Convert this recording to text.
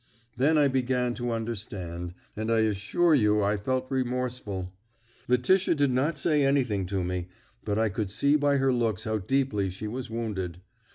Then I began to understand, and I assure you I felt remorseful. Letitia did not say anything to me, but I could see by her looks how deeply she was wounded.